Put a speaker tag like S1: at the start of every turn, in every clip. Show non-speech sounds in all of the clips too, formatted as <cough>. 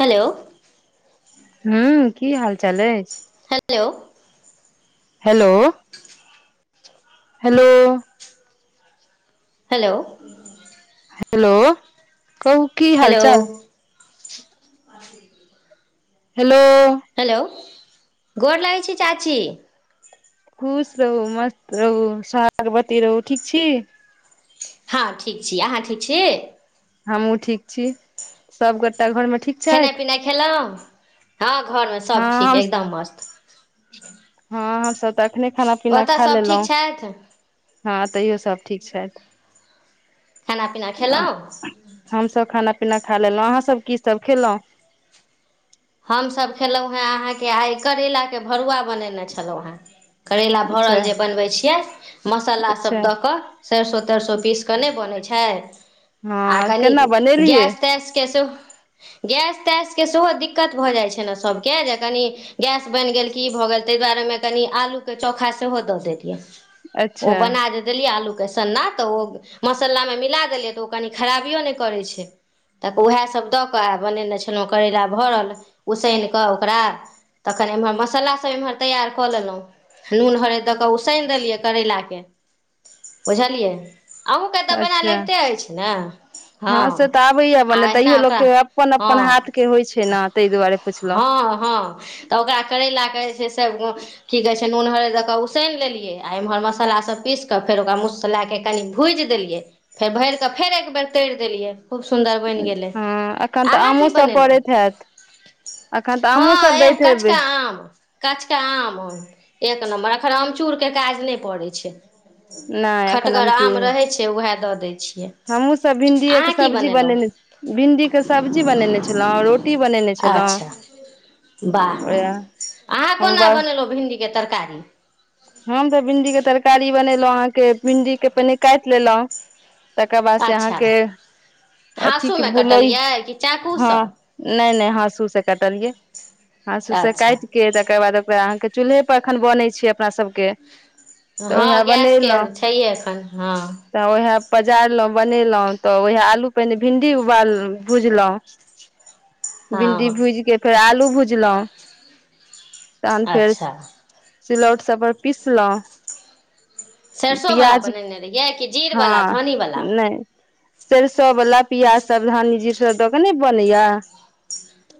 S1: Hello
S2: हू की हाल चाल अछि
S1: hello
S2: hello hello
S1: hello
S2: hello कहु की हाल
S1: हेलो
S2: चाल हेलो
S1: हेलो गोर लगैय छी चाची
S2: खुश रहू मस्त रहू सोहागवती रहू ठीक छी
S1: हँ ठीक छी अहाँ ठीक छी
S2: हमहुँ ठीक छी सबगोटा घर में ठीक
S1: खेनाइ
S2: छथि
S1: पिनाइ खेलहुँ हँ घरमे
S2: हँ
S1: सब ठीक
S2: हम
S1: एकदम मस्त
S2: हँ हमसभ तऽ अखने खाना पीना
S1: ओतय
S2: खा
S1: सभ ठीक
S2: लेलहुँ
S1: छथि
S2: हँ तैयो सब ठीक छैथ
S1: खाना पीना खेलहुँ
S2: हम सभ खाना पीना खा लेलहुं अहाँ सब की सब खेलहुँ
S1: हमसभ खेलहुँ हेँ अहाँ के आइ करैला के भरुआ बनेने छलौ हेँ करैला भरल
S2: अच्छा
S1: जे बनबै छियै
S2: अच्छा
S1: मसालासभ दऽ कऽ सैरसो तैरसो पीस कऽ नय बनैत छै आ
S2: हँ
S1: कनि
S2: केना बनेलियै
S1: गैस तैसके सेहो गैस तैसके सेहो दिक् दिक्कत भऽ जाइ छै ने सभके जे कनि गैस बनि गेल कि भऽ गेल ताहि दुआरे ओ मे कनि आलू के चोखा सेहो दऽ दैलीयै ओ
S2: अच्छा
S1: बना देत देलियै आलू के सन्ना तऽ ओ मसाला मे मिला देलियै तऽ ओ कनि खराबियो नय करै छै तऽ उएहसभ दऽ कऽ आ बनेने छलहुँ करैला भरल उसैन कऽ ओकरा तखन एम्हर मसाला सभ एम्हर तैयार कऽ लेलहुँ नून हरैदऽ कऽ उसनि देलियै करैला के बुझलियै अहुँके तऽ बनायल
S2: अच्छा
S1: अबिते अछि ने
S2: हँ से तऽ आबैया
S1: आ
S2: बने तैयो
S1: अहिना ओकरा
S2: लोकके अपन अपन
S1: हँ
S2: हाथ के होइ छै ने तय दुआरे पुछलहुँ
S1: हँ हँ तऽ ओकरा करैला कऽ जे छै से की कहै छै नून हरद दऽ कऽ उसनि लेलियै आ एम्हर मसालासभ पीस कऽ फेर ओकरा मुस लए कऽ कनी भुजि देलियै फेर भरि कऽ फेर एकबर तरि देलियै खुब सुन्दर बनि गेलै
S2: हँ एखन तऽ
S1: अहाँ की
S2: आमो सब
S1: बनेलहुँ
S2: पड़ैत हैत एखन तऽ आमो
S1: हँ
S2: सब
S1: एह
S2: दैत हेबै
S1: कचका आम काचका आम एक नम्बर एखन अमचूर के काज नहि पड़ै छै
S2: नहि एखन
S1: खटगर आम
S2: आमचूर
S1: रहै छैय उएह दऽ दै छियै
S2: हमहुँ सब भिंडीए के
S1: अहाँ कि
S2: सब्जी
S1: बनेलहुँ
S2: बनेने भिंडी के सब्जी बने छलौ रोटी बनेने छलहुँ
S1: अच्छा बाह
S2: ओएह
S1: अहाँ
S2: हम
S1: कोना बनेलहु भिंडी के तरकारी
S2: हम तऽ भिंडी के तरकारी बनेलहु अहाँकेँ भिन्डी के पहिने काटि लेलहु तकर बाद से
S1: अच्छा
S2: अहाँकेँ अथी के
S1: हाँसूमे
S2: भुल
S1: कटलियै कि चाकूसँ
S2: हँ नहि नहि हँसू सँ कटलियै हँसूसँ
S1: अच्छा
S2: काटि कऽ तकर बाद ओकरा अहाँकेँ चूल्हेपर अखन बनै छै अपना सभके तऽ उएह
S1: हँ गैसके
S2: बनेलहु
S1: छैहे एखन ह
S2: तऽ ओएह पजारलहुँ बनेलहुँ तऽ ओए हे आलू पहिने भिंडी उबाल भुजलहुँ भिंडी
S1: हँ
S2: भूजि कऽ फेर आलू भुजलहु तहन फेर
S1: अच्छा
S2: सिलौट सभपर पीसलहुँं
S1: सरसो वाला बनेने रहियै कि जीर वाला
S2: हँ
S1: धनी वाला
S2: नहि सरिसो वाला पियाज सभ धनी जीर सभ दऽ के ने बनैया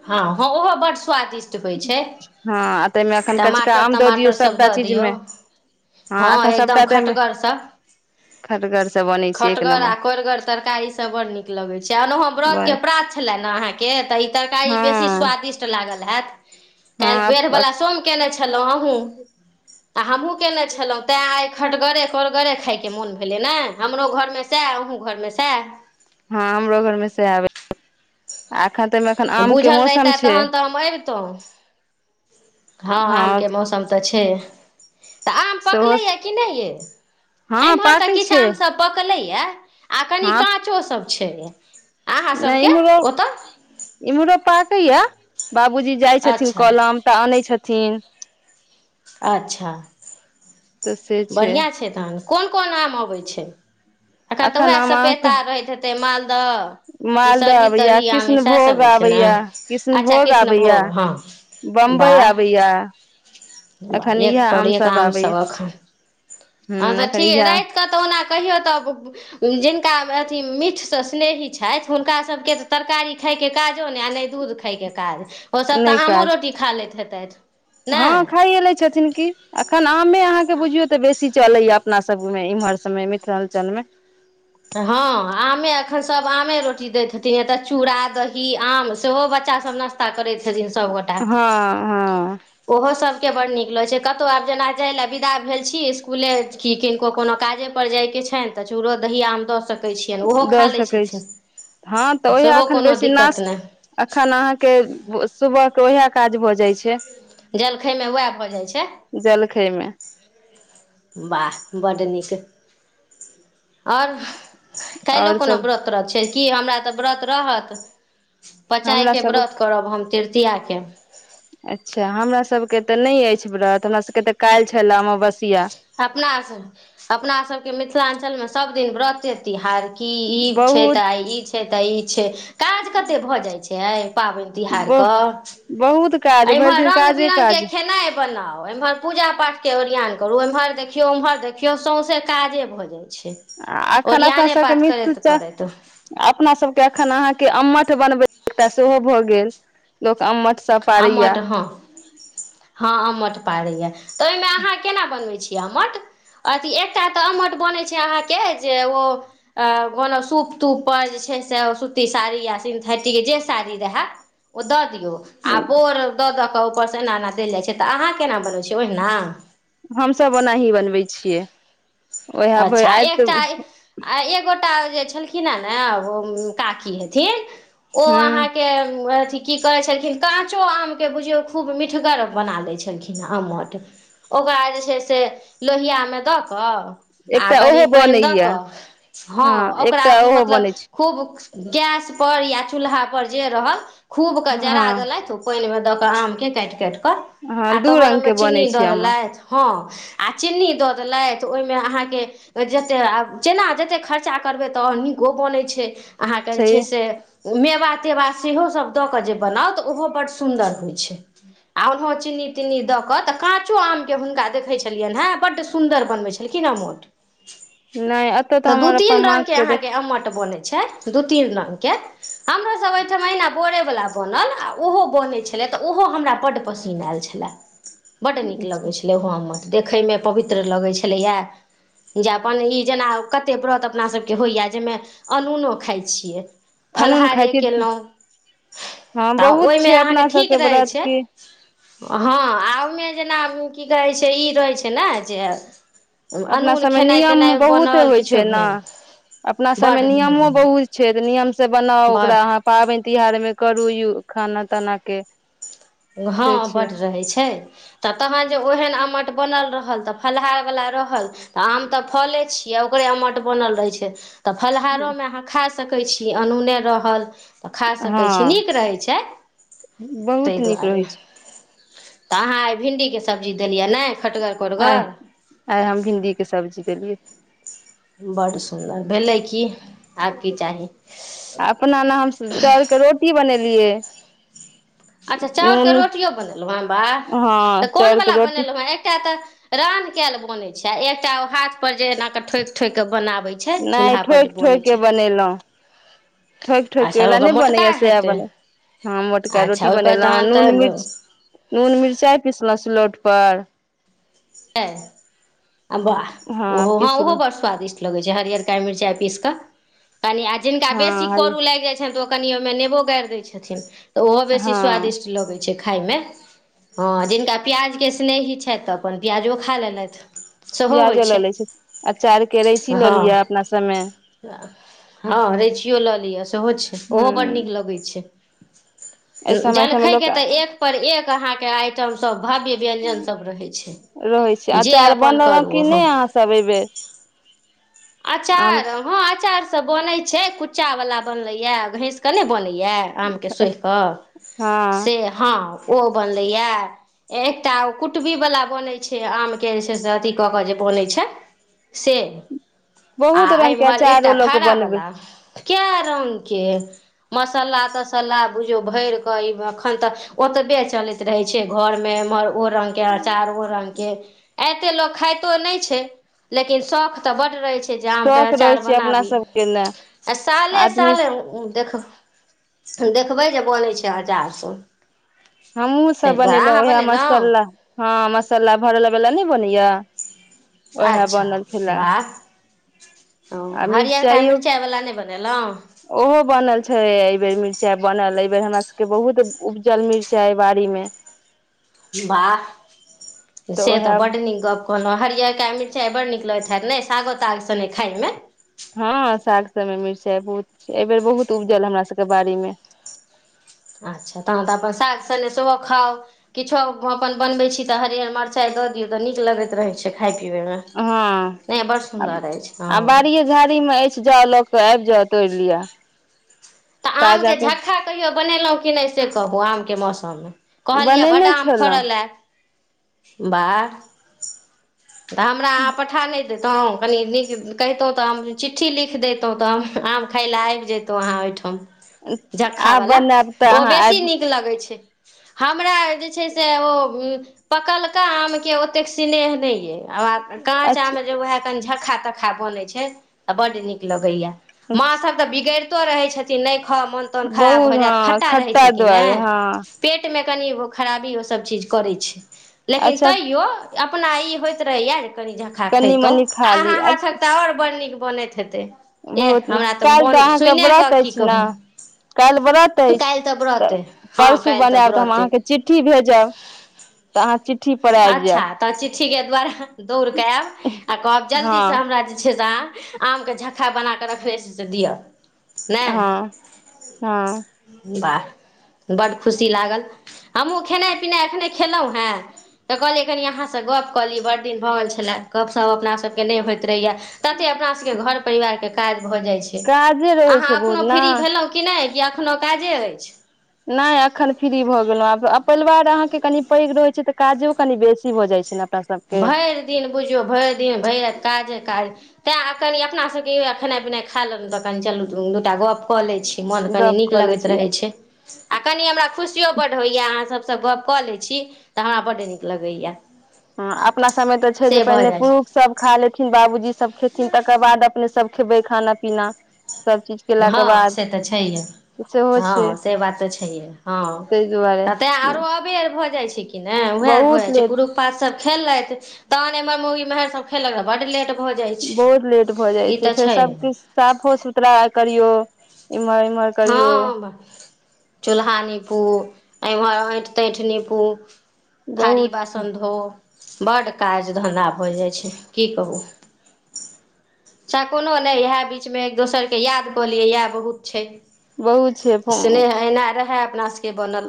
S1: ह ह ओहो बड स्वादिष्ट टबै छै
S2: हँ ताहिमे एखन कचका
S1: टमाटर
S2: आम दऽ दियौ
S1: तमाटर सभ
S2: सभटा
S1: दऽ
S2: चीज
S1: दियौ
S2: मे हँ
S1: ह
S2: एखन सभटा
S1: एकदम
S2: ताहिमे
S1: खटगरस
S2: खटगर से बनै छै एक
S1: खटगर आ कोरगर तड़कारी सभ बड़ नीक लगैत छै आ ओनाहो व्रत के
S2: नम्बर
S1: प्रात छलए न अहाँकेँ तऽ ई तरकारी बेसी
S2: हँ
S1: स्वादिष्ट लागल हैत काइल
S2: हँ हँ
S1: वेरहवाला सोम केने छेलो अहूँ आ हमहूँ केने छलहुँ तै आइ खटगरे करगरे खायके मोन भेलै ने हमरो घरमे सएह अहूँ घर मे सएह
S2: ह हमरो घरमे से आबै आ अखन तइ मे अखन आम के
S1: बूझल
S2: मौसम
S1: रहितै
S2: छै
S1: ह
S2: हँ
S1: आमके मौसम तऽ छै तऽ आम
S2: सेहो
S1: पकलैया कि नहि यै
S2: हँ
S1: एमहर तऽ
S2: पाकै
S1: किछु
S2: छै
S1: आम सभ पकलैया आ कनि
S2: हँ
S1: काँचो सभ छै अहाँ
S2: नहि
S1: सभके
S2: इम्हरो
S1: ओतऽ
S2: इम्हरो पाके या बाबूजी जाई छथिन
S1: अच्छा
S2: कलम तऽ अनै छथिन
S1: अच्छा।
S2: तऽ से
S1: बढ़िआ छै तहन कोन कोन आम अबै छै अखन तऽ उएह
S2: आम अहाँके
S1: सपेता रहैत हे से मालदह कि
S2: मालदह
S1: सरही
S2: आबैया
S1: तरही आम
S2: कृष्ण
S1: सएहसभ
S2: भोग
S1: होइ छै ने
S2: आबैया कृष्ण
S1: अच्छा
S2: भोग आबैया
S1: कृष्णभोग हँ
S2: बम्बई
S1: वाह
S2: आबैया
S1: वाह
S2: एखन इ
S1: एक
S2: हा आमसभ आबैया
S1: ह तऽ
S2: एखन
S1: ठीक
S2: इएह
S1: राइतक तऽ ओना कहियौ तऽ जिनका अथी मीठसँ स्नेही छैथ हुनका सभके तऽ तरकारी खायके काजो नहि आ नहि दूध खाय के काज ओसभ तऽ आमो रोटी खा लैत हेतथि
S2: ह
S1: नहि
S2: खायै लै छथिन कि अखन आमे अहाँकेँ बुझियौ तऽ बेसी चलैय अपनासभमे इम्हर सभमे मिथिलांचलमे
S1: ह आमे अखन सभ आमे रोटी दैत हेथिन नैतऽ चूड़ा दही आम सेहो बच्चासभ न सता करैत छथिन सभगोटा
S2: ह ह
S1: ओहो सभके बड़ नीक लगै छै कतो आब जेना जाई लए विदा भेल छी इसकुले कि किनको कोनो काजे पर जाय के छनि तऽ चूड़ो दहि आम दऽ सके छिया नि ओहो
S2: दऽ
S1: खा लै
S2: सकै छी
S1: छथिन
S2: हँ तऽ ओएह
S1: सेहो
S2: एखन
S1: कोनो
S2: बेसी
S1: दिक्कत
S2: नाश
S1: नहि
S2: अखन अहाँकेँ सुबह के उएह काज भऽ जाय छै
S1: जलखै मे वएह भऽ जाय छै
S2: जलखै मे
S1: वाह बड्ड नीक ओर काइलो
S2: आओर
S1: कोनो
S2: सब
S1: व्रत <unintelligible> छैय कि हमरा तऽ व्रत रहत पचाय
S2: हमरा
S1: के
S2: सब
S1: व्रत करब हम तृतीया के
S2: अच्छा हमरा सबके तऽ नय अछि व्रत हमरा सबके तऽ काइल छेलै अमवसिया
S1: अपना सब अपना सब के मिथिलांचल मे सभ दिन व्रते तिहार की ई छै
S2: बहुत
S1: तऽ आइ ई छै तऽ ई छै काज कते भए जाय छैय पाबैन
S2: ब
S1: तिहारक
S2: बहुत काज भरि
S1: एम्हर
S2: दिन
S1: रंग
S2: काजे
S1: बिरंग के
S2: काज
S1: खेनाइ बनाउ एम्हर पूजा पाठ के ओरियान करू एम्हर देखियौ ओम्हर देखियौ सौं से काजे भऽ जाइ छै
S2: आ अखन अपना
S1: ओरियाने
S2: सबके
S1: पाठ
S2: मितू
S1: करैत
S2: च
S1: करैत
S2: अपना सबके अखन अहाँके अम्मठ बनबै एकटा सेहो भऽ गेल लोक अम्मठ सब पारैया
S1: आम्मट हऽ हँ आम्मट पारैए तऽ ओहिमे अहाँ केना बनबै छीयै आम्मट अथी एकटा तऽ अमट बनैत छैय अहाँके जे ओ कोनो सूप तुप पर जे छैय से सुती साड़ी या सिन्थेटिक जे साड़ी रहै ओ दऽ दियौ आ बोर दऽ दऽ कऽ ऊपर सँ एना एना देल जाइ छैय तऽ अहाँ केना बनबै छियै ओहिना
S2: हमसब ओनाही बनबै छियै ओएह भ
S1: अच्छा
S2: आयत
S1: एकटा आ एक गोटा जे छलखिन हे नै ओ काकी हेथिन ओ
S2: हूँ
S1: अहाँ के अथि कि करै छलखिन काँचो आमके बुझियौ खूब मिठगर बना लैय छलखिन अमट ओकरा जे छैय से लोहिया मे दऽ कऽ आ
S2: एकटा
S1: कनि
S2: ओहो
S1: पाइन दऽ
S2: बनैया
S1: कऽ हँ ओकरा
S2: एकटा ओहो
S1: मतलब
S2: बनै
S1: खूब गैस पर या चूल्हा पर जे रहल खूब कऽ
S2: छै
S1: जरा
S2: हँ
S1: देलथ ओ पाइन मे दऽ कऽ आम के काटि काटि कऽ आ
S2: हँ दू
S1: तोहन
S2: रंग
S1: ओहिम
S2: के बनै
S1: चीनी
S2: छै
S1: दऽ
S2: अम्मठ
S1: देलथ हॅं आ चीनी दऽ देलेथ ओइमे अहाॅं जतेक आ जेना जतेक खर्चा करबै तऽओ नीको बनै छैय अहाँ के जे छैय
S2: सही
S1: से मेबा तेवा सेहोसब दऽ कऽ जे बनाउ तऽ ओहो बड्ड सुन्दर होइ छैय आ ओनहो चीनी तीन्नी दऽ कऽ तऽ काचो आम के हुनका देखे छलियनि हे बड सुंदर बनवे छलै खैलखिन अमट <unintelligible>
S2: नहि एतऽ
S1: तऽ दू
S2: हमर अपन
S1: तीन
S2: माँ
S1: रंगके
S2: के देख
S1: अहाँके अमट बनै छैय दू तीन रंगके हमरोसभ ओहिठाम अहिना बोरैवला बनल आ ओहो बनै छलै तऽ ओहो हमरा बड्ड पसिन्न आयल छला छलय बड्ड नीक लगै छलै उहो अमट देखैमे पवित्र लगै छलैए जे अपन ई जेना कतेक व्रत अपना सभके होइए जेएमे अनूनो खाइ छियै
S2: अनून खाइ
S1: फलाहारे
S2: छी
S1: कयलो
S2: हँ
S1: तऽ
S2: बहुत छै
S1: ओइमे
S2: अपना
S1: अहाँके
S2: सबके
S1: ठीक रहै
S2: व्रत
S1: छैय
S2: की
S1: हँ आ ओइमे जेना की कहै छैय ई रहै छैय ने जे
S2: अपना
S1: अनून
S2: सब में
S1: खेनाइ
S2: नियम
S1: तेनाइ
S2: बहुत
S1: बनल
S2: होइ
S1: किछो
S2: छैय ना
S1: भेल
S2: अपना सबमे
S1: बड्ड
S2: नियमो
S1: नियम
S2: बहुत छैय तऽ नियम से बनाउ ओकरा
S1: बड्ड
S2: अहाँ पाबैन तिहार मे करू खाना ताना के
S1: हँ
S2: से छै
S1: बड्ड रहै छैय तऽ तहन जे ओहेन अमट बनल रहल तऽ फलाहार वला रहल तऽ आम तऽ फले छी किया ओकरे अमट बनल रहै छैय तऽ फलाहारो में अहाँ खा सकै छी अनूने रहल तऽ खा सकैत छी
S2: हँ
S1: नीक रहैत छैय ताहि
S2: बहुत नीक
S1: दुआरे
S2: रहै छै
S1: तऽ अहाँ आई भिण्डी के सब्जी देलियै ने खटगर कोरगर
S2: आई हम भिंडी के सब्जी देलियै
S1: बड़ सुन्दर भेलै कि
S2: अपना नऽ हम चाउर के रोटी बनेलियै
S1: अच्छा चाउर के
S2: नून
S1: रोटियो बनेलहुँ ह बाह
S2: हँ
S1: तऽ
S2: चाउर के
S1: कोनवला
S2: रोटी
S1: बनेलहुँ हे एकटा तऽ रान केल बने छैय एकटा हाथ पर जे एना के ठोक ठोक के बनावे छैय।
S2: नहि ठोकि ठोकि कऽ बनेलहु ठईक ठएक
S1: अच्छा ओकर
S2: नहि
S1: मोटका
S2: बनैएसह
S1: हेतै
S2: बने ह मोटका
S1: अच्छा
S2: रोटी
S1: ओहिपर
S2: बनेलहुँ
S1: तहन
S2: नून
S1: तऽ
S2: मिच नून मिचाई पिसलहुँ सिलौटपर
S1: ह वाह
S2: हँ
S1: ओहो ह ओहो
S2: पिसलहुँ
S1: बड़ स्वादिष्ट लगै छैय हरिअरका मिरचाई पीस कऽ कनि आ जिनका
S2: हँ
S1: बेसी
S2: हरी
S1: करू लागि जाइ छनि तऽ ओ कनि ओमे नेबो गारि देय छथिन तऽ ऊहो बेसी
S2: हँ
S1: स्वादिष्ट लगे छैय छैय खायमे ह जिनका प्याजके स्नेही छैत तऽ अपन पियाजो खा लेलथि सेहो होइ
S2: प्याजो
S1: छै
S2: लऽ ले छैय अचार करैची लऽ लिय अपना सभमे
S1: ह रैचियो लऽ लिअ सेहो छैय ओहो बड़ नीक
S2: हूँ
S1: लगै
S2: एहि
S1: छैय
S2: समय सबमे
S1: जलखय
S2: लोक
S1: के तऽ एक पर एक अहाँकेँ आइटमसभ भव्य व्यञ्जन सभ रहै छैय
S2: रहैत छैय अचार बनलहु कि नहि अहाँसभ एहि बेर
S1: अचार। हँ आचार सभ बनै छै कुच्चा वाला बनलैया घैसके नहि बनैया। आम के सोहि कऽ
S2: हँ
S1: से ह ओ बनलैया एकटा ओ कुटबीवला बनैत छै आम के जे छै से अथी कऽ जे बनैत छै। स आ
S2: बहुत रंग के
S1: एम्हर
S2: अचारो
S1: एकटा
S2: लऽ के बनबै
S1: फाड़ावला कए रंग के मसाल्ला तसाल्ला बुझो भैर कऽ ई अखन तऽ ओतबे चले रहै छै घर मे एमहर ओ रंग के अचार ओ रंगके ऐते लोक खाइतो नहि छै लेकिन शौख तऽ बड़ रहे छै जे आम के
S2: शौख रहै
S1: अँचार
S2: छै अपना
S1: बनाबी
S2: सबके ने
S1: आ साले
S2: आदमी
S1: साले देख देखबै जे बनै छै आचार सभ
S2: हमहुँ सभ बनेलहुँं उएह मसाला
S1: बनेलहुँ
S2: ह मसाला भरला वाला नहि बनैया उएह
S1: अच्छा
S2: बनल खेला
S1: ओ हरअरकऽ
S2: मिरचाइयो
S1: मिरचाइवला नहि बनेलहुँ
S2: ओहो बनल छै एहि बेर मिरचाई बनल एहि बेर हमरा सभके बहुत उपजल मिरचाई बाड़ी मे
S1: वाह से तऽ बड़ निक ग‌प कोनो हरिहरका मिरचाई बड नीक लगैत हैत नहि सागो ताग सँगे खाइमे
S2: हँ साग सभमे मिरचाइ बहुत एहि बेर बहुत उपजल हमरा सभके बाड़ी मे
S1: अच्छा तहन तऽ अपन साग संगे सेहो खाउ। किछो अपन बनबैत छी तऽ हरिअर मिरचाई दऽ दियौ तऽ नीक लगैत रहैत छै खाय पिबैमे।
S2: हँ
S1: नहि बड़ सुन्दर अछि हँ।
S2: बारी मे अछि जाउ लऽ कऽ आबि जाउ तोड़ि लिआ
S1: तऽ आम के झक्खा कहियो बनेलहुँ कि नहि से कहू आम के मौस मे। कहलियै बड़
S2: बनेने
S1: आम फड़ल
S2: छलहुँ
S1: ऐ। वाह तऽ हमरा अहाँ पठा नै देतहुँ कनि नीक कहितहु तऽ हम चिट्ठी लिख दैतहु तऽ हम आब खाइ लए आबि जैतहु अहाँ ओहिठाम।
S2: आब
S1: जक्खावला
S2: बनायब तऽ
S1: ओ
S2: अहाँ
S1: बेसी
S2: आबि
S1: नीक लगै छै। हमरा जे छै से ओ पकलका आमके ओतेक स्नेह नहि अइ। आ काँच आम जे
S2: अच्छा
S1: उएह कनी झक्खा तक्खा बनैत छै तऽ बड्ड नीक लगैए। माँ सभ तऽ बिगैड़ितो रहैत छथिन नहि खाउ मऽन तोन खराब
S2: बहुत
S1: भऽ जायत
S2: हँ
S1: खट्टा रहै छै कि
S2: दुआरे
S1: नहि।
S2: हँ
S1: पेटमे कनिगो खराबी ओ सब चीज करै छै लेकिन
S2: अच्छा
S1: तैयो अपना ई होइत रहैया जे कनि झक्खा
S2: कनि
S1: खैतों
S2: मनी खा
S1: आ
S2: ली
S1: अहाँक हाथकते और बड़ नीक बनैत हेतै एह
S2: बहुत नीक
S1: हमरा तऽ
S2: काल्हि
S1: मोन
S2: अहाँके
S1: सुने कऽ
S2: व्रत
S1: की
S2: अछि ने काल्हि व्रत
S1: कहू
S2: अछि
S1: काल्हि तब
S2: तऽ
S1: रहतै हँ
S2: परसू
S1: काल्हि तब
S2: बनायब तऽ हम
S1: रहतै।
S2: अहाँके चिट्ठी भेजब तऽ अहाँ चिट्ठी पर आबि
S1: अच्छा
S2: जायब
S1: तऽ चिठ्ठीके दुआरे दौड़ कऽ आयब। आ कहब जल्दीसँ
S2: हँ
S1: हमरा जे छै से अहाँ आमके झक्खा बना कऽ रखने छी से दिअ। नहि
S2: हँ हँ
S1: वाह बड्ड खुशी लागल हमहूँ खेनाइ पिनाइ एखने खेलहुँ हेँ तऽ कहलियै कनि अहाँसँ गप कऽली बड़ दिन भऽ गेल छलै गपशप अपना सबके नहि होइत रहैया। तते अपना सभके घर परिवारके काज भऽ जाइत छै
S2: काजे रहै
S1: अहाँ
S2: छै बहुत
S1: एखनो
S2: ने
S1: सुतलहुँ कि नहि एखनो काजे अछि।
S2: नहि एखन फ्री भऽ गेलहुँ आब परिवार अहाँके कनि पैघ रहैत छै तऽ काजो कनि बेसी भऽ जाइत छै नऽ अपना सभके।
S1: भरि दिन बुझियौ भरि दिन भरि राति काजे काज तैँ कनि अपनासभके खेनाइ पिनाइ खा लेलहुँ तऽ कनि चलू दूनू गोटा गऽप कऽ लैत छी। मोन कनी
S2: गप
S1: नीक
S2: कऽ लै
S1: लगैत
S2: छियै
S1: रहै छै। आ कनि हमरा खुशियो बड्ड होइए। अहाँसभसँ गप्प कऽ लैत छी तऽ हमरा बड्ड नीक लगैए।
S2: हू अपना सबमे तऽ छै जे
S1: से भऽ
S2: पहिने
S1: जाइ छै
S2: पुरुष सब खा लेथिन बाबूजी सब खेथिन तकर बाद अपने सब खेबै खाना पीना सब चीज। केलाके
S1: हँ
S2: बाद
S1: से तऽ छैहे।
S2: सेहो छै
S1: हॅ से बात ते छैये हँ
S2: ताहि दुआरे
S1: ततें आरो अबेर भऽ जाइ छै। कि ने उह भए
S2: बहुत
S1: जाय छै
S2: लेट
S1: पुरुख पात सब खेलेत तहन एमहर मोगी मेहर सब खेलक बड लेट भऽ जाइ छै
S2: बहुत लेट भऽ जाइ
S1: ई
S2: छै
S1: तऽ
S2: फेर सब किछु साफो सुथरा करियो इम्हर इमहर
S1: हँ चूल्हा नीपू एम्हर हाँठि ताँठि नीपू थारी
S2: बहुत
S1: बासन धो बड्ड काज धन्धा भऽ जाइ छै की कहू चच्ाहे कोनो नहि इएह बीचमे एक दोसरकेँ याद कऽ लियै इएह बहुत छै
S2: बहुत छै
S1: स्नेह एना रहय अपना सभके बनल